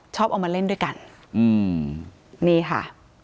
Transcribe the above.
ชอบเอามาเล่นด้วยกันอืมนี่ค่ะ